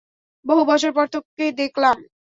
বহুবছর পর তোকে দেখলাম!